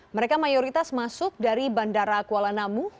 mereka mayoritas masuk dari bandara kuala namu